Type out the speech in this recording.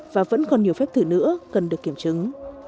và vẫn còn nhiều phép thử nữa cần được kiểm chứng